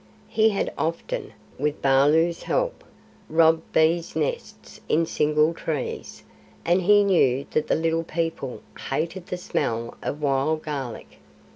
He had often, with Baloo's help, robbed bees' nests in single trees, and he knew that the Little People hated the smell of wild garlic.